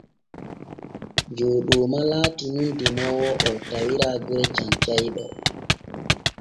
Jooɗooma laati nun demoowo oo tawira gure Cancayɗo.